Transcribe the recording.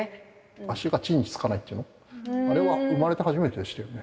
足が地に着かないっていうの、あれは生まれて初めてでしたよね。